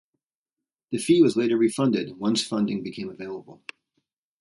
The fee was later refunded once funding became available.